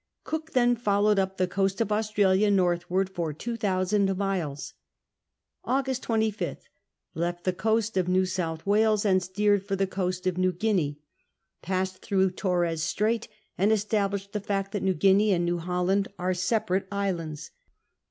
Cook then followed up the coast of Australia northward for two thousand miles. August 25/A. Left the coast of New South Wales and steered for the coast of New Guinea. Passed through Torres Strait and established the fact that New Guinea and New Holland are separate islands.